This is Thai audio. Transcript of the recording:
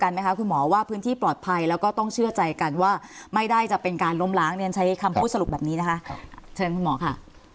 เราต้องเชื่อใจกันว่าไม่ได้จะเป็นการล้มหลางเนี่ยใช้คำพูดสรุปแบบนี้นะคะเชิญคุณหมอค่ะ